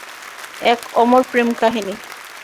এক অমর প্রেম কাহিনী।